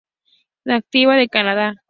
Nativa del Canadá.